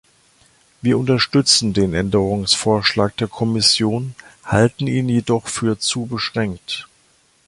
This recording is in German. Wir unterstützen den Änderungsvorschlag der Kommission, halten ihn jedoch für zu beschränkt.